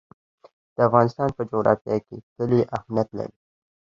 د افغانستان په جغرافیه کې کلي اهمیت لري.